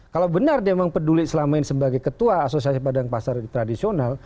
kalau benar dia memang peduli selama ini sebagai ketua asosiasi padang pasar tradisional